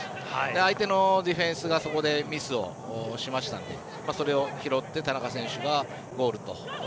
相手のディフェンスがそこでミスをしましたのでそれを拾って田中選手がゴールと。